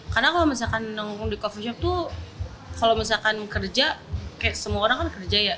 karena kalau misalkan nongkrong di coffee shop itu kalau misalkan kerja kayak semua orang kan kerja ya